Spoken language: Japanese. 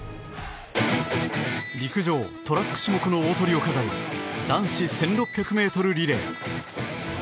陸上トラック種目の大トリを飾る男子１６００ｍリレー。